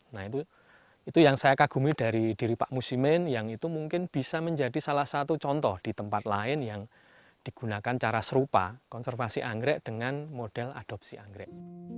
nah itu yang saya kagumi dari diri pak musimin yang itu mungkin bisa menjadi salah satu contoh di tempat lain yang digunakan cara serupa konservasi anggrek dengan model adopsi anggrek